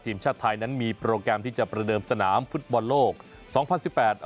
ทีมชาติไทยนั้นมีโปรแกรมที่จะประเดิมสนามฟุตบอลโลกสองพันสิบแปด